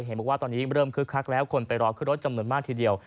เห็นบอกว่าตอนนี้เริ่มคึกคักแล้วคนไปรอขึ้นรถจำนวนมากทีเดียว